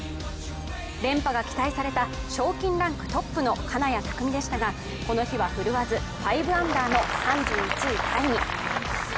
連覇が期待された賞金ランクトップの金谷拓実でしたがこの日は振るわず５アンダーの３１位タイに。